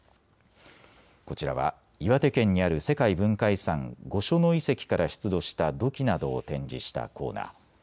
こちらは岩手県にある世界文化遺産、御所野遺跡から出土した土器などを展示したコーナー。